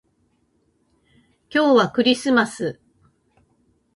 今日はクリスマス